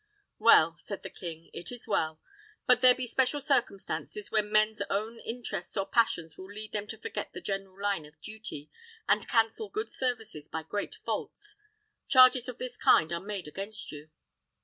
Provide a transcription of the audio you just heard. "Well," said the king, "it is well. But there be special circumstances, when men's own interests or passions will lead them to forget the general line of duty, and cancel good services by great faults. Charges of this kind are made against you."